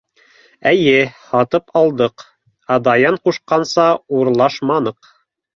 Эйе, һатып алдыҡ, ә Даян ҡушҡанса урлашманыҡ.